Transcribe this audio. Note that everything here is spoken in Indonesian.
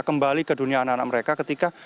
kembali ke dunia anak anak mereka ketika